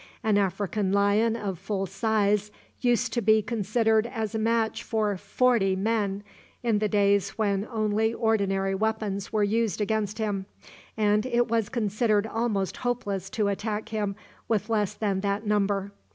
An African lion of full size used to be considered as a match for forty men in the days when only ordinary weapons were used against him, and it was considered almost hopeless to attack him with less than that number.